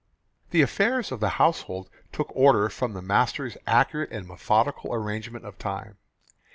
The affairs of the household took order from the master's accurate and methodical arrangement of time.